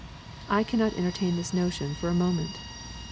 I cannot entertain this notion for a moment.